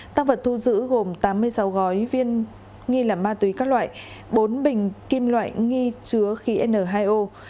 tăng vật thu giữ gồm tám mươi sáu gói viên nghi là ma túy các loại bốn bình kim loại nghi chứa khí n hai o